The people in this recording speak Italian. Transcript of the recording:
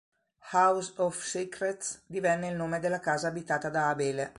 House of Secrets divenne il nome della casa abitata da Abele.